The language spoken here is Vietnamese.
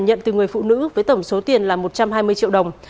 nhận từ người phụ nữ với tổng số tiền là một trăm hai mươi triệu đồng